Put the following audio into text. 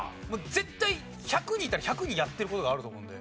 絶対１００人いたら１００人やってる事があると思うんで。